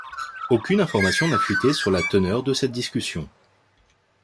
Aucune information n'a fuité sur la teneur de cette discussion.